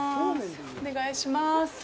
お願いします。